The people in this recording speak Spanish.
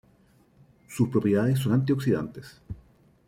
Sus propiedades son antioxidantes.